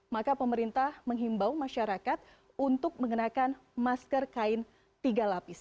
maka pemerintah menghimbau masyarakat untuk mengenakan masker kain tiga lapis